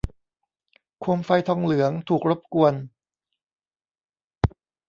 โคมไฟทองเหลืองถูกรบกวน